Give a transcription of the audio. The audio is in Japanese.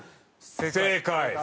正解！